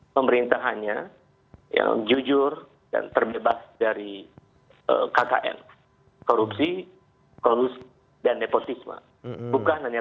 pemerintah hanya yang jujur dan terbebas dari kkn korupsi korupsi dan nepotisme bukan hanya